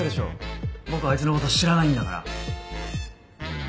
僕はあいつの事知らないんだから。